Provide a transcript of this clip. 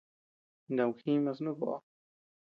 Naakuu jiima snu koʼo.